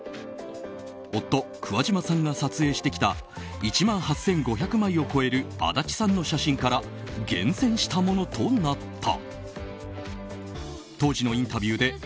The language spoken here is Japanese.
夫・桑島さんが撮影してきた１万８５００枚を超える安達さんの写真から厳選したものとなった。